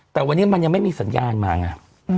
แต่วันนี้มันยังไม่มีสัญญาณมาไง